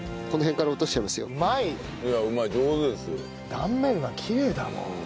断面がきれいだもん。